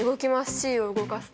ｃを動かすと。